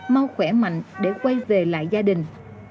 mau khỏe mạnh để quay về lại gia đình